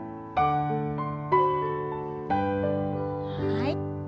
はい。